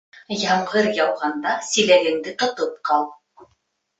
Ямғыр яуғанда силәгеңде тотоп ҡал.